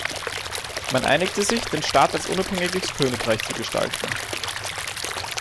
Man einigte sich, den Staat als unabhängiges Königreich zu gestalten.